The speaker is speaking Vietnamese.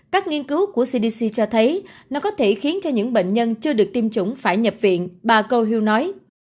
các nghiên cứu của cdc cho thấy nó có thể khiến cho những bệnh nhân chưa được tiêm chủng phải nhập viện bà câu hiêu nói